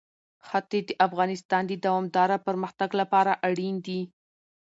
ښتې د افغانستان د دوامداره پرمختګ لپاره اړین دي.